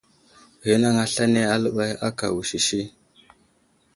Ghinaŋ aslane aləbay aka wusisi.